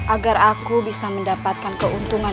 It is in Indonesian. agar aku bisa mendapatkan keuntungan